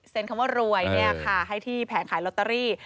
เซ็นคำว่ารวยให้ที่แผงขายลอตเตอรี่